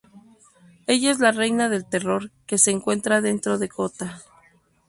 Ella es la reina del Terror que se encuentra dentro de Kōta.